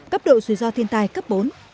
cấp độ dù do thiên tài cấp bốn